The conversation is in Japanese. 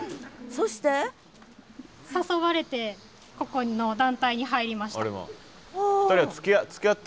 そして？誘われてここの団体に入りました。